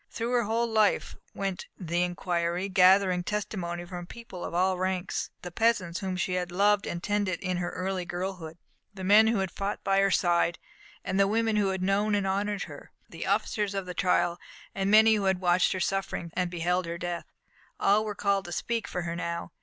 Through her whole life went the inquiry, gathering testimony from people of all ranks. The peasants whom she had loved and tended in her early girlhood, the men who had fought by her side, the women who had known and honoured her, the officers of the trial, and many who had watched her sufferings and beheld her death all were called to speak for her now.